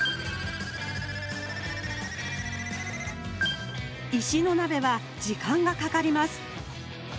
石の鍋は時間がかかります